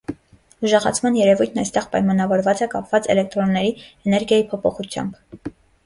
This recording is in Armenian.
Ուժեղացման երևույթն այստեղ պայմանավորված է կապված էլեկտրոնների էներգիայի փոփոխությամբ։